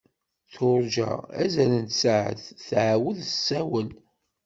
Turǧa azal n tsaɛet tɛawed tessawel.